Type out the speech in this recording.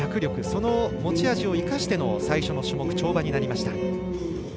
その持ち味を生かしての最初の種目、跳馬になりました。